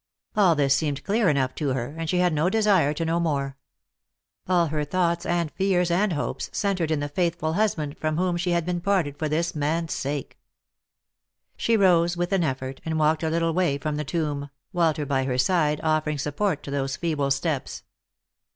All this seemed clear enough to her, and she had no desire to know more. All her thoughts and fears and hopes centred in the faithful husband from whom she had been parted for this man's sake. She rose, with an effort, and walked a little way from the tomb, Walter by her side, offering support to those feeble steps.